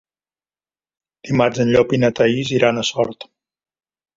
Dimarts en Llop i na Thaís iran a Sort.